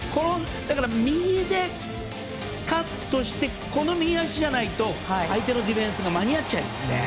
右でカットしてこの右足じゃないと相手のディフェンスが間に合っちゃいますんで。